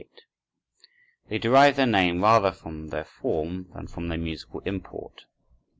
They derive their name rather from their form than from their musical import.